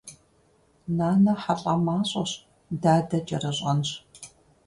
Нанэ хьэлӏамащӏэщ, дадэ кӏэрыщӏэнщ.